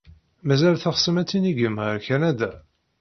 Mazal teɣsem ad tinigem ɣer Kanada?